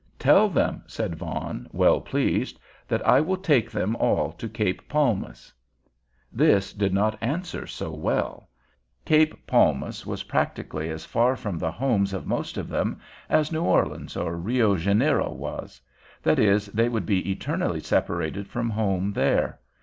"Tell them," said Vaughan, well pleased, "that I will take them all to Cape Palmas." This did not answer so well. Cape Palmas was practically as far from the homes of most of them as New Orleans or Rio Janeiro was; that is, they would be eternally separated from home there.